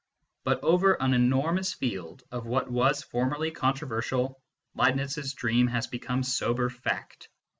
But over an enormous field of what was formerly controversial, Leibniz s dream has become sober fact.